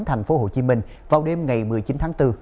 thành phố hồ chí minh vào đêm ngày một mươi chín tháng bốn